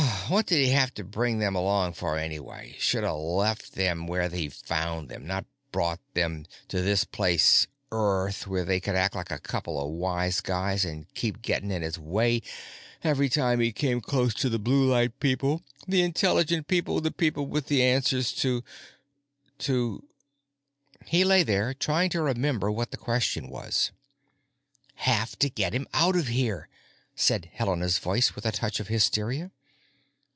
What did he have to bring them along for, anyway? Should have left them where he found them, not brought them to this place Earth where they could act like a couple of wise guys and keep getting in his way every time he came close to the blue light people, the intelligent people, the people with the answers to——to—— He lay there, trying to remember what the question was. "——have to get him out of here," said Helena's voice with a touch of hysteria.